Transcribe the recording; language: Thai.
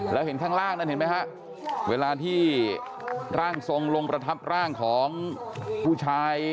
แล้วเห็นข้างล่างนั้นเห็นไหมฮะเวลาที่ร่างทรงลงประทับร่างของผู้ชาย